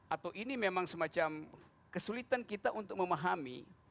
atau ini memang semacam kesulitan kita untuk memahami